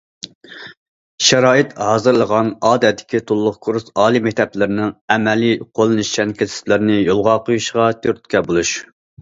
شارائىت ھازىرلىغان ئادەتتىكى تولۇق كۇرس ئالىي مەكتەپلىرىنىڭ ئەمەلىي قوللىنىشچان كەسىپلەرنى يولغا قويۇشىغا تۈرتكە بولۇش.